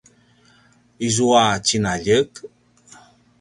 izua tjinaljek?